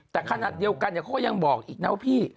แต่ขนาดเดียวกันเขาก็ยังบอกอีกนะว่าพี่